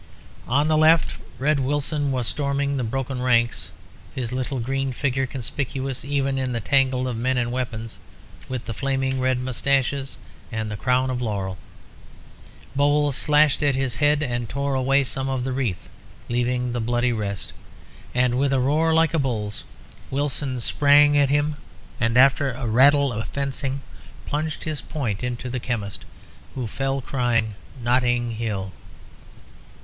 On the left Red Wilson was storming the broken ranks, his little green figure conspicuous even in the tangle of men and weapons, with the flaming red moustaches and the crown of laurel. Bowles slashed at his head and tore away some of the wreath, leaving the rest bloody, and, with a roar like a bull's, Wilson sprang at him, and, after a rattle of fencing, plunged his point into the chemist, who fell, crying, "Notting Hill!"